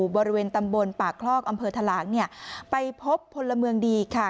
บริเวณตำบลปากคลอกอำเภอทะลางเนี่ยไปพบพลเมืองดีค่ะ